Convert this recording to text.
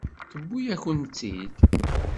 Tewwi-yakent-tt-id.